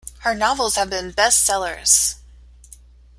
Her novels have been best-sellers.